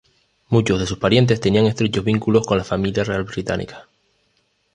Muchos de sus parientes tenían estrechos vínculos con la familia real británica.